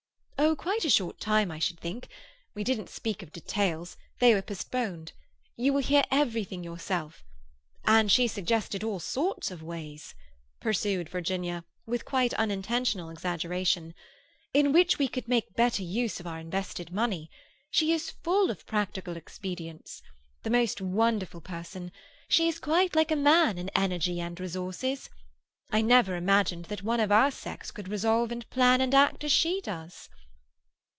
"Oh, quite a short time, I should think. We didn't speak of details; they were postponed. You will hear everything yourself. And she suggested all sorts of ways," pursued Virginia, with quite unintentional exaggeration, "in which we could make better use of our invested money. She is full of practical expedients. The most wonderful person! She is quite like a man in energy and resources. I never imagined that one of our sex could resolve and plan and act as she does!"